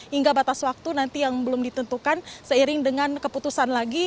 hingga batas waktu nanti yang belum ditentukan seiring dengan keputusan lagi